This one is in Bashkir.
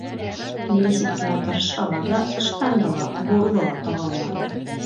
Нисек кенә тырышһалар ҙа, ыштанды ла, бурҙы ла таба алманылар.